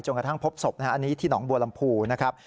กระทั่งพบศพอันนี้ที่หนองบัวลำพูนะครับ